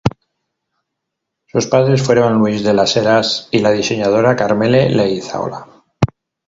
Sus padres fueron Luis de las Heras y la diseñadora Karmele Leizaola.